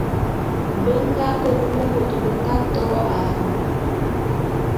Be nga ke vôm bôt bé nga to alu.